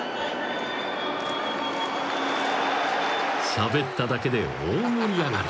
［しゃべっただけで大盛り上がり］